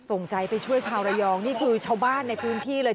ส่งใจไปช่วยชาวระยองนี่คือชาวบ้านในพื้นที่เลย